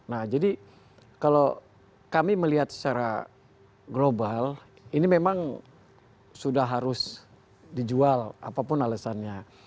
nah jadi kalau kami melihat secara global ini memang sudah harus dijual apapun alasannya